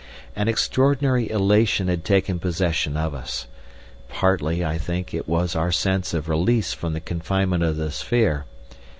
An extraordinary elation had taken possession of us. Partly, I think, it was our sense of release from the confinement of the sphere.